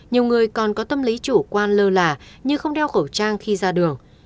nhiều người còn có tâm lý chủ quan lơ là như không đeo khẩu trang khi ra đường